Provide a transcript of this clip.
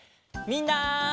みんな！